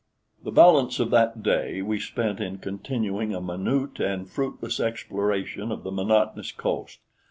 The balance of that day we spent in continuing a minute and fruitless exploration of the monotonous coast.